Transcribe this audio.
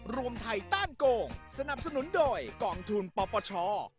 รวมไทยต้านโกงสนับสนุนโดยกองทุนปปช